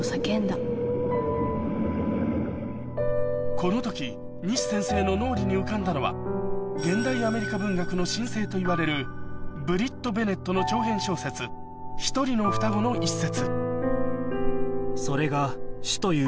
この時西先生の脳裏に浮かんだのは現代アメリカ文学の新星といわれるブリット・ベネットの長編小説『ひとりの双子』の一節